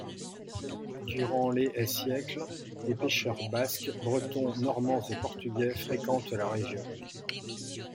Durant les et siècles, des pêcheurs basques, bretons, normands et portugais fréquentent la région.